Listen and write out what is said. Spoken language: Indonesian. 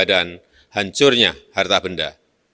dan hancurnya harta benda